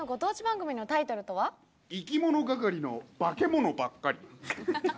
「いきものがかりのバケモノばっかり」。